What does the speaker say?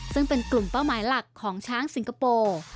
ซึ่งเป็นกลุ่มเป้าหมายหลักของช้างสิงคโปร์